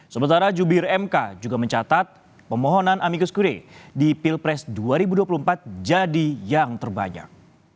sementara jubir mk juga mencatat pemohonan amikus kure di pilpres dua ribu dua puluh empat jadi yang terbanyak